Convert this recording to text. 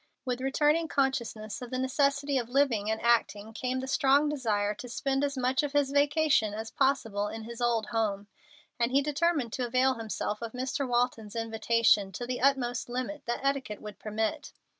With returning consciousness of the necessity of living and acting came the strong desire to spend as much of his vacation as possible in his old home, and he determined to avail himself of Mr. Walton's invitation to the utmost limit that etiquette would permit.